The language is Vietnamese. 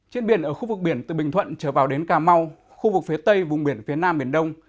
trên biển ở khu vực biển từ bình thuận trở vào đến cà mau khu vực phía tây vùng biển phía nam biển đông